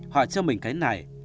họ cho mình cái này